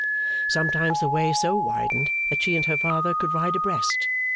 Sometimes the way so widened that she and her father could ride abreast.